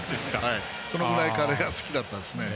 そのぐらいカレーが好きだったんですね。